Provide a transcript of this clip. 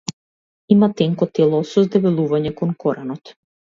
Има тенко тело со задебелување кон коренот.